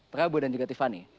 prabowo dan juga tiffany